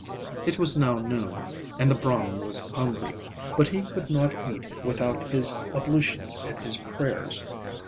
It was now noon, and the Brahman was hungry; but he could not eat without his ablutions and his prayers.